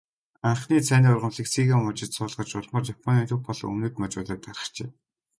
Анхны цайны ургамлыг Сига мужид суулгаж, улмаар Японы төв болон өмнөд мужуудад тархжээ.